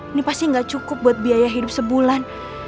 ini pasti gak cukup buat biaya hidup sebulan